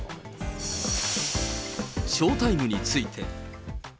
ショータイムについて。